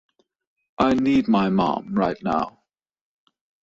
I need my mom right now.